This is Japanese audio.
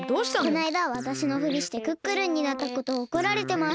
このあいだわたしのふりしてクックルンになったことをおこられてます。